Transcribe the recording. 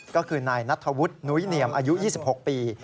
ก็คือนายนัทธวุฒินุ้ยเนียมอายุ๒๖ปี